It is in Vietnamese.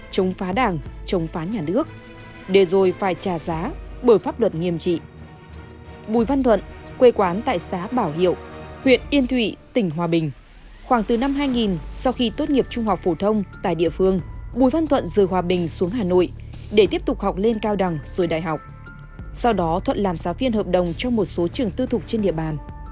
sau đó thuận làm giáo phiên hợp đồng cho một số trường tư thục trên địa bàn